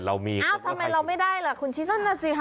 ทำไมเราไม่ได้ล่ะคุณชิสนั่นน่ะสิคะ